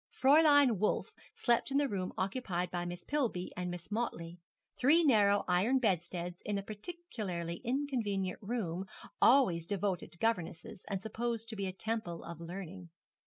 Fräulein Wolf slept in the room occupied by Miss Pillby and Miss Motley three narrow iron bedsteads in a particularly inconvenient room, always devoted to governesses, and supposed to be a temple of learning.